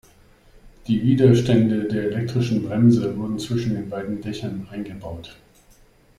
Die Widerstände der elektrischen Bremse wurden zwischen den beiden Dächern eingebaut.